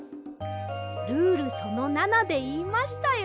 ルールその７でいいましたよ。